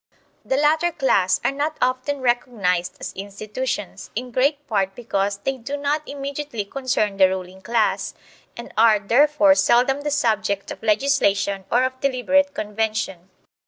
The latter class are not often recognized as institutions, in great part because they do not immediately concern the ruling class, and are, therefore, seldom the subject of legislation or of deliberate convention.